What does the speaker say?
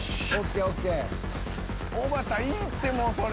おばたいいってもうそれ。